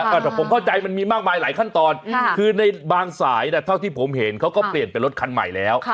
แต่ผมเข้าใจมันมีมากมายหลายขั้นตอนคือในบางสายเท่าที่ผมเห็นเขาก็เปลี่ยนเป็นรถคันใหม่แล้ว